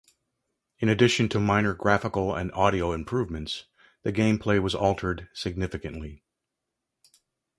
In addition to minor graphical and audio improvements, the gameplay was altered significantly.